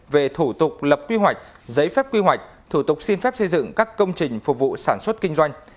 về thủ tục lập quy hoạch giấy phép quy hoạch thủ tục xin phép xây dựng các công trình phục vụ sản xuất kinh doanh